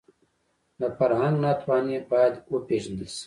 د فرهنګ ناتواني باید وپېژندل شي